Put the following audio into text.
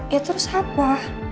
ya terus apa